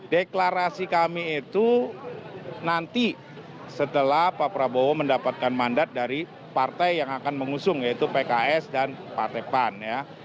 deklarasi kami itu nanti setelah pak prabowo mendapatkan mandat dari partai yang akan mengusung yaitu pks dan partai pan ya